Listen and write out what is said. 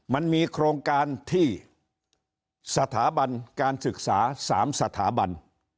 มันมีโครงการที่สถาบันการศึกษา๓สถาบัน